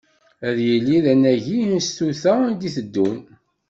Ad yili d anagi i tsuta i d-iteddun.